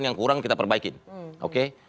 yang kurang kita perbaikin oke